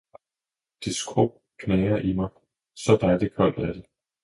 Det skrupknager i mig, så dejligt koldt er det!